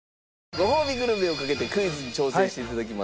ごほうびグルメをかけてクイズに挑戦して頂きます。